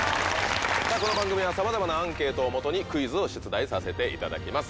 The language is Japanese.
この番組はさまざまなアンケートを基にクイズを出題させていただきます。